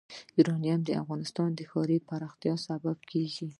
یورانیم د افغانستان د ښاري پراختیا سبب کېږي.